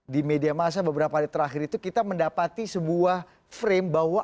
di media masa beberapa hari terakhir itu kita mendapati sebuah frame bahwa